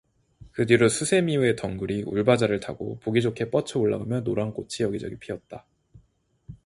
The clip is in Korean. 그 뒤로 수세미외 덩굴이 울바자를 타고 보기 좋게 뻗쳐 올라가며 노란꽃이 여기저기 피었다.